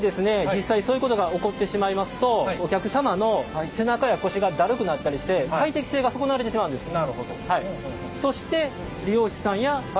実際そういうことが起こってしまいますとお客様の背中や腰がだるくなったりして快適性が損なわれてしまうんです。